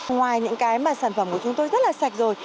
ngoài những cái mà sản phẩm của chúng tôi rất là sạch rồi